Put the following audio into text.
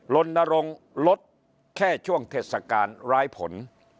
ลนรงค์ลดแค่ช่วงเทศกาลร้ายผล